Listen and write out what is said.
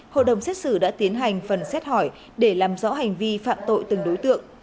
hội đồng xét xử đã tiến hành phần xét hỏi để làm rõ hành vi phạm tội từng đối tượng